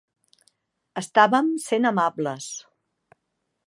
Estàvem sent amables.